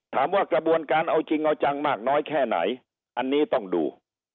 ถามว่ากระบวนการเอาจริงเอาจังมากน้อยแค่ไหนอันนี้ต้องดู